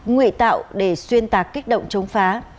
nguyện tạo để xuyên tạc kích động chống phá